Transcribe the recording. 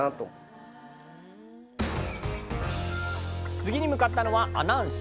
次に向かったのは阿南市。